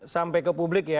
sampai ke publik ya